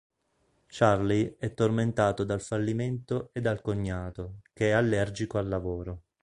Charley è tormentato dal fallimento e dal cognato, che è allergico al lavoro.